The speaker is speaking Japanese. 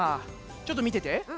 ちょっとみてて。